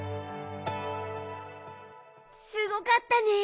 すごかったね。